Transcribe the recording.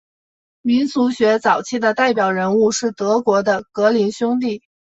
民俗学早期的代表人物是德国的格林兄弟。